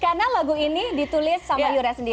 karena lagu ini ditulis sama yura sendiri